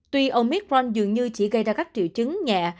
tuy omicron dường như chỉ gây ra các triệu chứng nhẹ